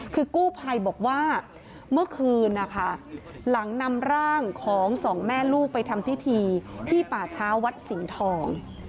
คือกู้ภัยบอกว่าเมื่อคืนนะคะหลังนำร่างของสองแม่ลูกไปทำพิธีที่ป่าช้าวัดสิงห์ทอง